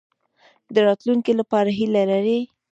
د راتلونکي لپاره هیله لرئ؟